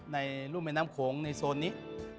ในรุ่มแม่น้ำโขงในโซนนี้